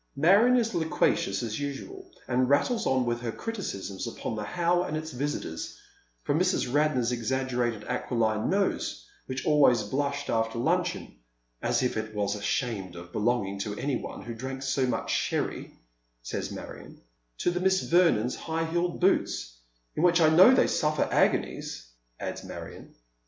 Marion is loquacious as usual, and rattles on with her criticisms upon the How and its visitors, from Mrs. Radnor's exaggerated aquiline nose, which always blushed after luncheon, " as if it was ashamed of belonging to any one who drank so much sherry," says Marion, to the Miss Vernons' high heeled boots, "in which I know they suffer agonies," adds Marion.